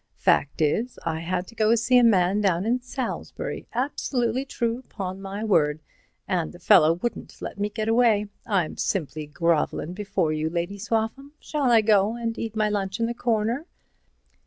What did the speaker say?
Fact is, I had to go an' see a man down in Salisbury—absolutely true, 'pon my word, and the fellow wouldn't let me get away. I'm simply grovellin' before you, Lady Swaffham. Shall I go an' eat my lunch in the corner?"